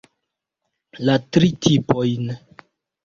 La tri tipojn.